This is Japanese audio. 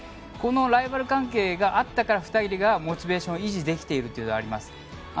このライバル関係があったから２人がモチベーションを維持できているというのはあります。